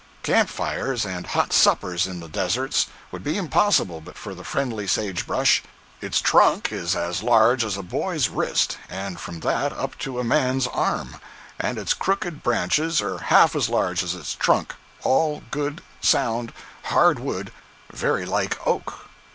Camp fires and hot suppers in the deserts would be impossible but for the friendly sage brush. Its trunk is as large as a boy's wrist (and from that up to a man's arm), and its crooked branches are half as large as its trunk—all good, sound, hard wood, very like oak.